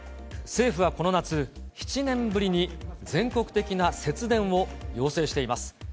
政府はこの夏、７年ぶりに全国的な節電を要請しています。